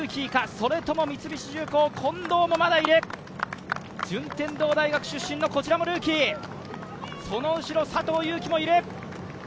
それとも三菱重工・近藤もまだいる順天堂大出身のこちらもルーキー、その後ろ、佐藤悠基もいる。